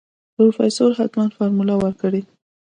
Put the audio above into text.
پروفيسر حتمن فارموله ورکړې.